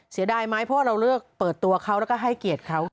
เสียดายไหมเพราะว่าเราเลือกเปิดตัวเขาแล้วก็ให้เกียรติเขา